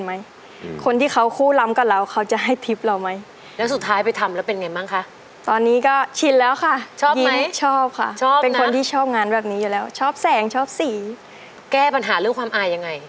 เห็นพวกพี่ทำยังไงแล้วก็ทำมากค่ะ